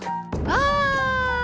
わ。